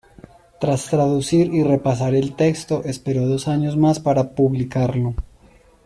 Tras traducir y repasar el texto, esperó dos años más para publicarlo.